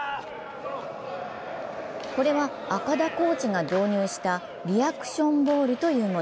これは赤田コーチが導入したリアクションボールというもの。